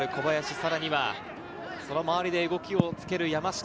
さらにはその周りで動きをつける山下。